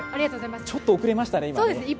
ちょっと遅れましたね、今。